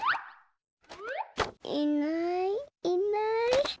いないいない。